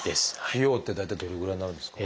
費用って大体どれぐらいになるんですか？